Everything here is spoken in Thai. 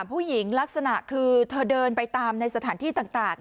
ลักษณะคือเธอเดินไปตามในสถานที่ต่าง